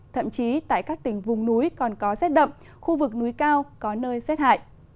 thậm chí tại các tỉnh vùng núi còn có rét đậm khu vực núi cao có nơi rét hại